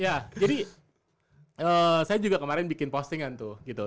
ya jadi saya juga kemarin bikin postingan tuh gitu